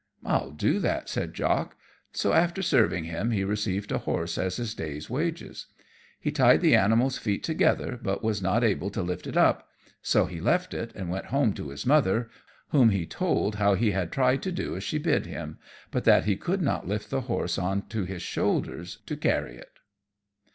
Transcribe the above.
"I'll do that," said Jock. So after serving him he received a horse as his day's wages. He tied the animal's feet together, but was not able to lift it up; so he left it and went home to his mother, whom he told how he had tried to do as she bid him, but that he could not lift the horse on to his shoulder to carry it.